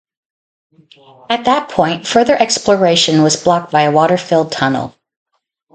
At that point, further exploration was blocked by a water-filled tunnel.